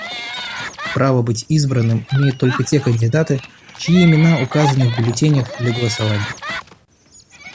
Право быть избранными имеют только те кандидаты, чьи имена указаны в бюллетенях для голосования.